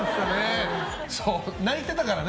泣いてたからね。